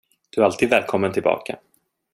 Du är alltid välkommen tillbaka.